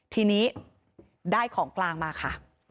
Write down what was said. ทีนี้ได้ของกลางมาค่ะ